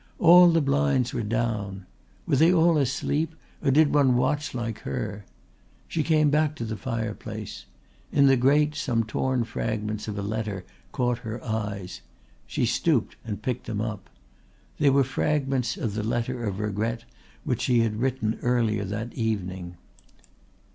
All the blinds were down. Were they all asleep or did one watch like her? She came back to the fireplace. In the grate some torn fragments of a letter caught her eyes. She stooped and picked them up. They were fragments of the letter of regret which she had written earlier that evening.